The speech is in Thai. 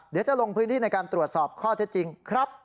เดี๋ยวจะลงพื้นที่ในการตรวจสอบข้อเท็จจริงครับ